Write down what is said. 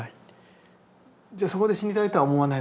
じゃそこで死にたいとは思わない？